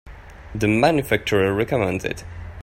The manufacturer recommends it.